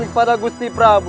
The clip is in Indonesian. kepada gusti prabu